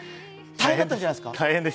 大変だったんじゃないですか？